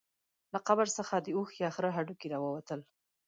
له قبر څخه د اوښ یا خره هډوکي راووتل.